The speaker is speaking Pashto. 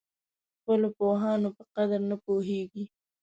خپلو پوهانو په قدر نه پوهېږي.